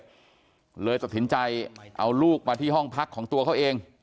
ก็เลยตัดสินใจเอาลูกมาที่ห้องพักของตัวเขาเอง